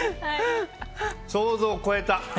想像を超えた。